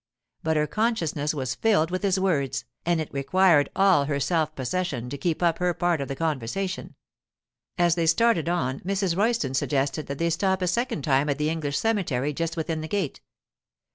But her consciousness was filled with his words, and it required all her self possession to keep up her part of the conversation. As they started on, Mrs. Royston suggested that they stop a second time at the English cemetery just within the gate.